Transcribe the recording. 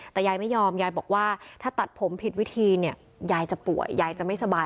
แต่ยายไม่ยอมยายบอกว่าถ้าตัดผมผิดวิธีเนี่ยยายจะป่วยยายจะไม่สบาย